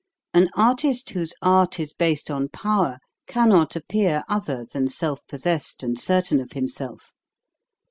An artist whose art is based on power cannot appear other than self possessed and certain of himself.